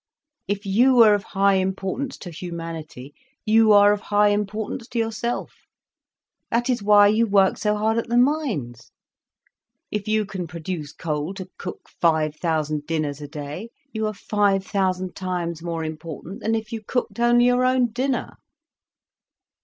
If you are of high importance to humanity you are of high importance to yourself. That is why you work so hard at the mines. If you can produce coal to cook five thousand dinners a day, you are five thousand times more important than if you cooked only your own dinner."